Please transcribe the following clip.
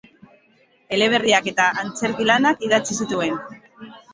Eleberriak eta antzerki-lanak idatzi zituen.